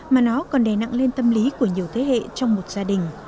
mà nó còn đè nặng lên tâm lý của nhiều thế hệ trong một gia đình